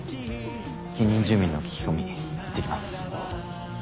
近隣住民の聞き込み行ってきます。